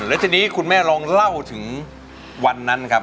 แล้วทีนี้คุณแม่ลองเล่าถึงวันนั้นครับ